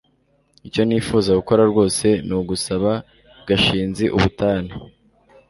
icyo nifuza gukora rwose ni ugusaba gashinzi ubutane